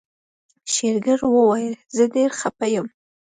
شېرګل وويل زه ډېر خپه يم.